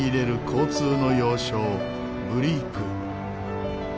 交通の要衝ブリーク。